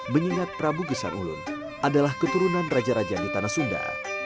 mengingat prabu gesan ulun adalah keturunan raja raja di tanah sunda